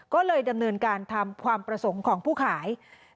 ก็เลยดำเนินการทำความประสงค์ของผู้ขาย